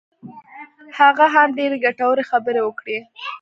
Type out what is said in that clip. هغه هم ډېرې ګټورې خبرې وکړې.